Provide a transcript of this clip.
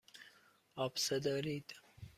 آبسه دارید.